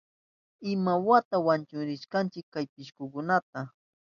¿Imawata wañuchishkankichi chay pishkukunata?